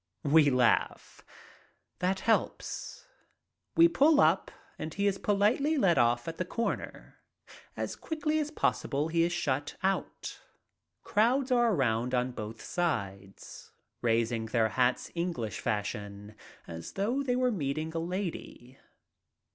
We laugh. That helps. We pull up and he is politely let off at the corner. As quickly as possible he is shut out. Crowds are around on both sides, raising their hats English fashion, as though they were meeting a lady.